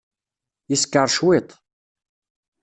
Yeskeṛ cwiṭ.